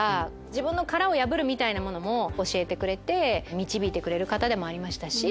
自分の殻を破るみたいなものも教えてくれて導いてくれる方でもありましたし。